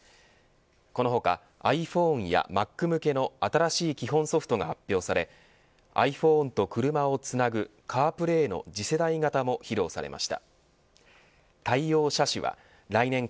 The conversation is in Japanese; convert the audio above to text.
この他ｉＰｈｏｎｅやＭａｃ向けの新しい基本ソフトが発表されｉＰｈｏｎｅと車をつなぐカープレーの次世代型も披露されました。